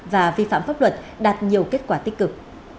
và vi phạm pháp luật đạt nhiều kết quả tích cực